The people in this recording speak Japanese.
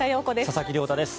佐々木亮太です。